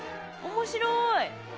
面白い！